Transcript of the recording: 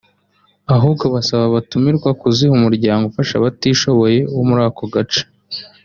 ahubwo basaba abatumirwa kuziha umuryango uafasha abatishoboye wo muri ako gace